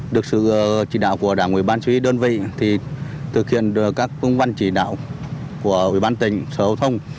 được sự chỉ đạo của đảng ủy ban suy đơn vị thực hiện các công văn chỉ đạo của ủy ban tỉnh sở hữu thông